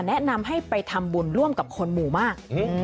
แนะนำให้ไปทำบุญร่วมกับคนหมู่มาก